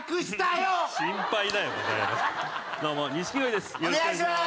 よろしくお願いします。